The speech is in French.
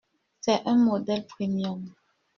C'est un modèle premium.